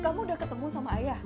kamu udah ketemu sama ayah